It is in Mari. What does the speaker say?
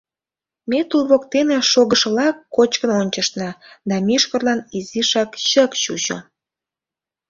Ме тул воктен шогышылак кочкын ончышна, да мӱшкырлан изишак чык чучо.